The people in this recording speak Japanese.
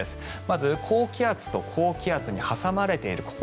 まず高気圧と高気圧に挟まれてる